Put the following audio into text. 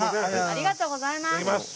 ありがとうございます。